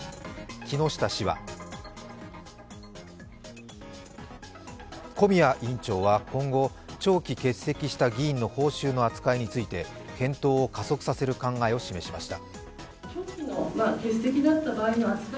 木下氏は小宮委員長は今後、長期欠席した議員の報酬の扱いについて検討を加速させる考えを示しました。